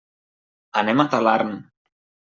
Anem a Talarn.